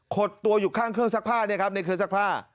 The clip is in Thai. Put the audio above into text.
ตัวอยู่ข้างเครื่องซักผ้าเนี่ยครับในเครื่องซักผ้า